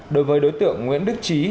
đối với đối tượng nguyễn đức trí